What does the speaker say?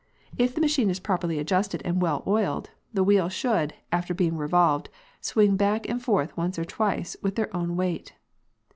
If the machine is properly adjusted and well oiled, the wheels should—after being revolved—swing back and forth once or twice with their own weight.